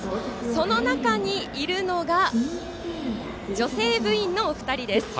その中にいるのが女性部員のお二人です。